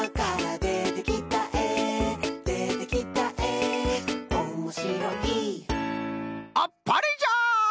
「でてきたえおもしろい」あっぱれじゃ！